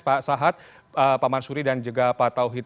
pak sahat pak mansuri dan juga pak tauhid